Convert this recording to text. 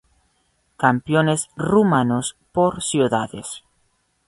Campeones rumanos por ciudades.